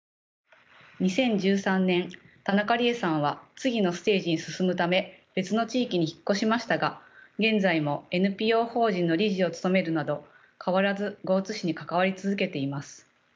２０１３年田中理恵さんは次のステージに進むため別の地域に引っ越しましたが現在もＮＰＯ法人の理事を務めるなど変わらず江津市に関わり続けています。